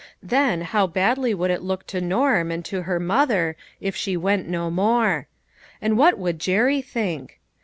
Then how badly it would look to Norm, and to her mother, if she went no more. And what would Jerry think